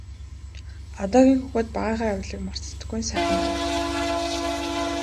Одоогийн хүүхэд багынхаа явдлыг мартдаггүй нь сайхан юм.